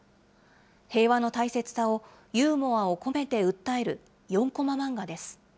平和の大切さをユーモアを込めて訴える４コマ漫画です。